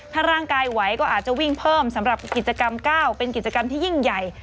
ถ้าร่างกายไหวก็อาจจะวิ่งเพิ่มสำหรับกิจกรรม๙เป็นกิจกรรมที่ยิ่งใหญ่